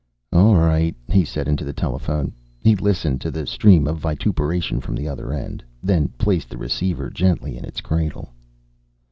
"All right," he said into the telephone. He listened to the stream of vituperation from the other end, then placed the receiver gently in its cradle.